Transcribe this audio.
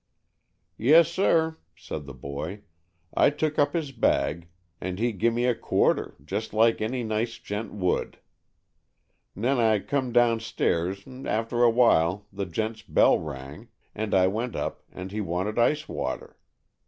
"Yessir," said the boy; "I took up his bag, and he gimme a quarter, just like any nice gent would. 'N'en I come downstairs, and after while the gent's bell rang, and I went up, and he wanted ice water.